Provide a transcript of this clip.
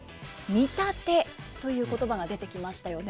「見立て」という言葉が出てきましたよね。